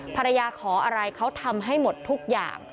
ภรรยาขออะไรเขาทำให้หมดทุกอย่าง